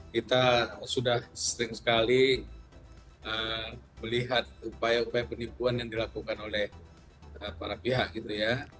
kita sudah sering sekali melihat upaya upaya penipuan yang dilakukan oleh para pihak gitu ya